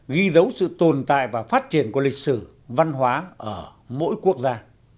ghi dấu sự tồn tại và phát triển của lịch sử văn hóa ở mỗi quốc gia